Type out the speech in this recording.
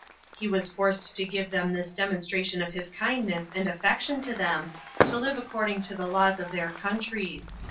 He was forced to give them this demonstration of his kindness and affection to them, to live according to the laws of their countries.